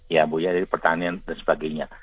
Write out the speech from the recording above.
ya bu ya dari pertanian dan sebagainya